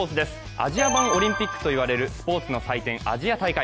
アジア版オリンピックと言われるスポーツの祭典、アジア大会。